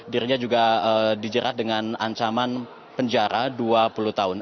dirinya juga dijerat dengan ancaman penjara dua puluh tahun